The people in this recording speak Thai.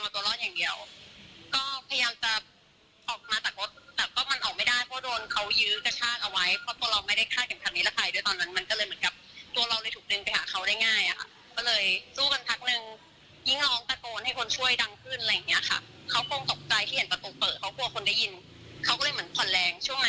เธอกลัวคนได้ยินเธอก็เลยเหมือนผ่อนแรงช่วงนั้นคือเราผ่านออกแล้วก็ออกมาเลย